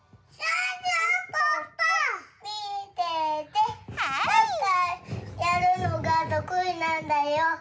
サッカーやるのがとくいなんだよ。